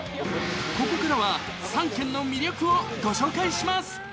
ここからは、３県の魅力をご紹介します。